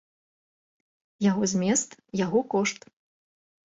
Яго змест, яго кошт.